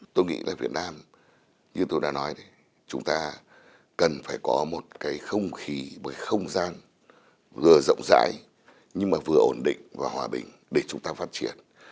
tôi nghĩ là việt nam như tôi đã nói đấy chúng ta cần phải có một cái không khí một không gian vừa rộng rãi nhưng mà vừa ổn định và hòa bình để chúng ta phát triển